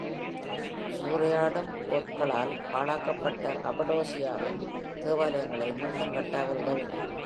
சூறையாடும் கோத்களால் பாழாக்கப்பட்ட, கபடோசியாவின் தேவாலயங்களை மீண்டும் கட்ட அவர் உதவினார்.